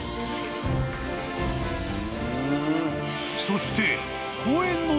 ［そして］